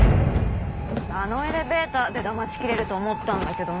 あのエレベーターでだましきれると思ったんだけどな。